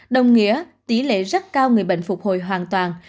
đồng nghĩa tỷ lệ rất cao người bệnh phục hồi hoàn toàn